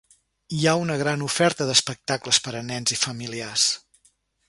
Hi ha una gran oferta d'espectacles per a nens i familiars.